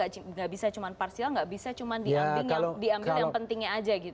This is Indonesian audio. tidak bisa cuma parsial tidak bisa cuma diambil yang tersebut